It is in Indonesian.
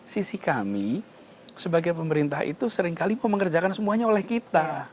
sisi kami sebagai pemerintah itu seringkali mau mengerjakan semuanya oleh kita